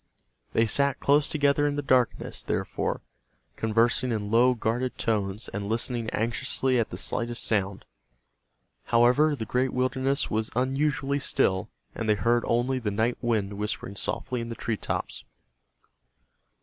They sat close together in the darkness, therefore, conversing in low, guarded tones and listening anxiously at the slightest sound. However, the great wilderness was unusually still, and they heard only the night wind whispering softly in the tree tops.